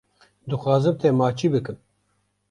Dixwazim te maçî bikim.